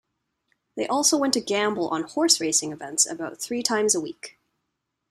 They also went to gamble on horse racing events about three times a week.